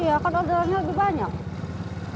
iya kan orderannya lebih banyak